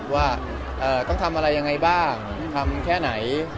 ว่าต้องทำอะไรยังไงบ้างทำแค่ไหน